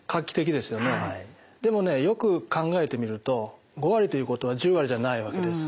でもねよく考えてみると５割ということは１０割じゃないわけです。